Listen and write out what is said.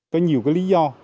có nhiều cái lý do